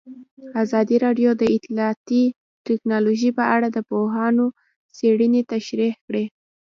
ازادي راډیو د اطلاعاتی تکنالوژي په اړه د پوهانو څېړنې تشریح کړې.